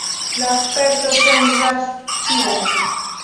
La sperto ŝanĝas ĉiun.